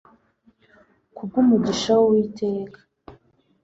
kubw'umugisha w'uwiteka